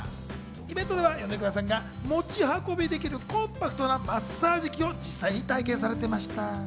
イベントでは米倉さんが持ち運びができるコンパクトなマッサージ器を実際に体験されていました。